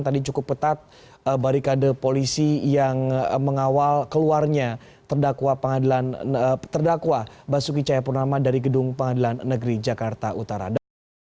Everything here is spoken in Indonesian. tadi cukup petat barikade polisi yang mengawal keluarnya terdakwa basuki cahaya purama dari gedung pengadilan negeri jakarta utara